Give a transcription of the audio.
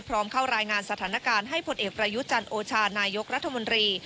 พร้อมเข้ารายงานสถานการณ์ให้พตประยุจรรย์โอชาณายกรรธมนตรี